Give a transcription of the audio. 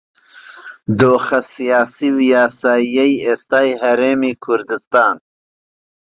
دۆخە سیاسی و یاساییەی ئێستای هەرێمی کوردستان